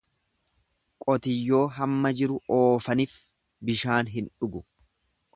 Qotiyyoo hamma jiru oofanif bishaan hin dhugu.